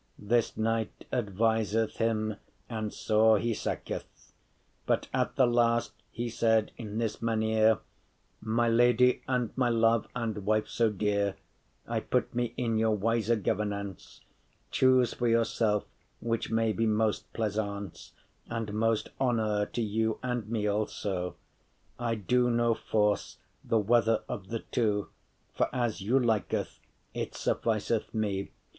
This knight adviseth* him and sore he siketh, *considered sighed But at the last he said in this mannere; “My lady and my love, and wife so dear, I put me in your wise governance, Choose for yourself which may be most pleasance And most honour to you and me also; I *do no force* the whether of the two: *care not For as you liketh, it sufficeth me.